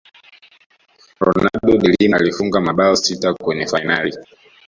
ronaldo de Lima alifunga mabao sita kwenye fainali